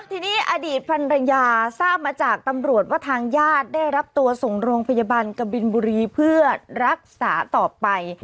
ทีนี้อดีตพันรยาทราบมาจากตำรวจว่าทางญาติได้รับตัวส่งโรงพยาบาลกบินบุรีเพื่อรักษาต่อไป